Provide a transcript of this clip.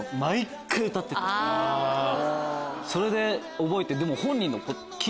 それで覚えて。